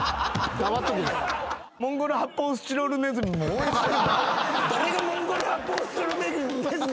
誰が「モンゴル発泡スチロールネズミ」じゃい！